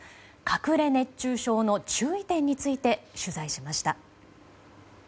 隠れ熱中症の注意点について取材しました。